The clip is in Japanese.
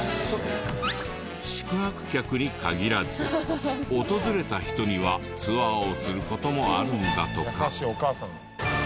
宿泊客に限らず訪れた人にはツアーをする事もあるんだとか。